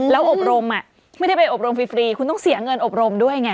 แล้วอบรมไม่ได้ไปอบรมฟรีคุณต้องเสียเงินอบรมด้วยไง